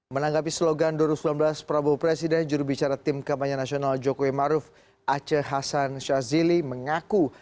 menanggapi slogan dua ribu sembilan belas prabowo presiden jurubicara tim kampanye nasional jokowi maruf aceh hasan shazili mengaku